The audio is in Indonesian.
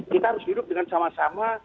kita harus hidup dengan sama sama